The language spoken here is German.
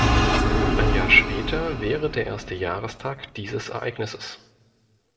Ein Jahr später wäre der erste Jahrestag dieses Ereignisses.